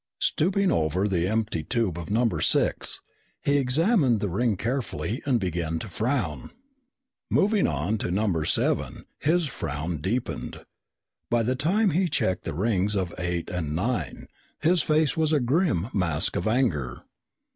Stooping over the empty tube of number six, he examined the ring carefully and began to frown. Moving on to number seven, his frown deepened. By the time he checked the rings of eight and nine, his face was a grim mask of anger.